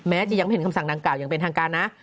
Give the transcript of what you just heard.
จะยังไม่เห็นคำสั่งดังกล่าอย่างเป็นทางการนะ